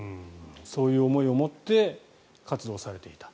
そういう思いを持って活動されていた。